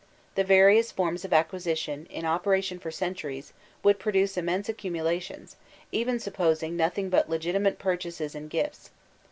That various forms of acquisition, in operation for centuries, would produce immense accumulations, even supposing nothing but legitimate purchases and gifts.